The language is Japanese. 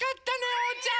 おうちゃん！